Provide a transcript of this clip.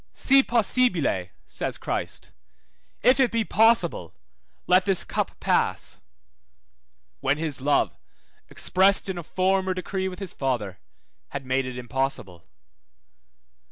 Si possibile, says Christ, if it be possible, let this cup pass, when his love, expressed in a former decree with his Father, had made it impossible.